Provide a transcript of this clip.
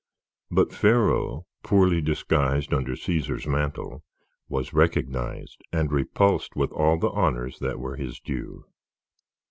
but Pharaoh, poorly disguised under Caesar's mantle, was recognized and repulsed with all the honors that were his due.